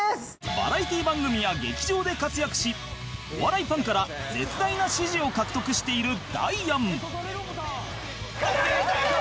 バラエティー番組や劇場で活躍しお笑いファンから絶大な支持を獲得しているダイアン